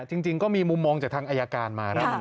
จริงก็มีมุมมองจากทางอายการมานะ